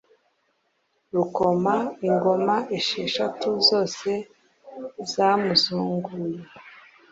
Rukoma ingoma esheshatu zose zamuzunguye,